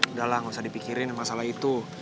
udahlah nggak usah dipikirin masalah itu